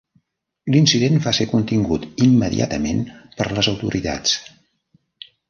L'incident va ser contingut immediatament per les autoritats.